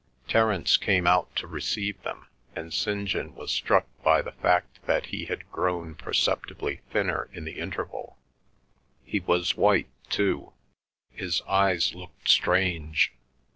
Terence came out to receive them, and St. John was struck by the fact that he had grown perceptibly thinner in the interval; he was white too; his eyes looked strange.